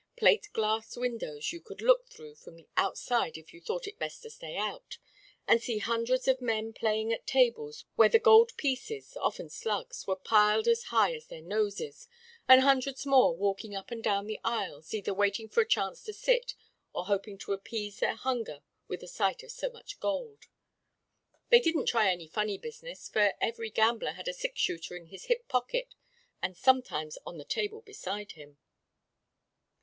Plate glass windows you could look through from outside if you thought it best to stay out, and see hundreds of men playing at tables where the gold pieces often slugs were piled as high as their noses, and hundreds more walking up and down the aisles either waiting for a chance to sit, or hoping to appease their hunger with the sight of so much gold. They didn't try any funny business, for every gambler had a six shooter in his hip pocket, and sometimes on the table beside him.